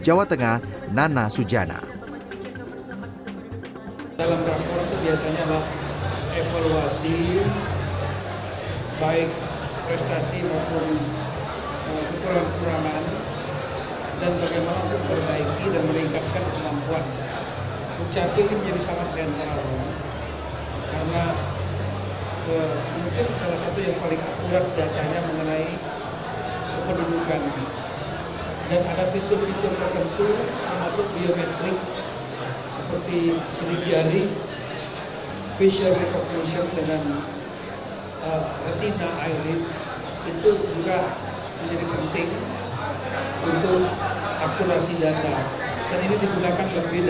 gubernur jawa tengah nana sujana